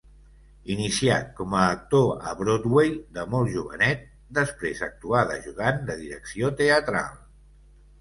Iniciat com a actor a Broadway de molt jovenet, després actuà d'ajudant de direcció teatral.